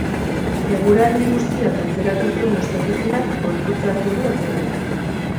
Eguraldi bustiak atzeratu zuen ospakizunak gorputza hartu du azkenean.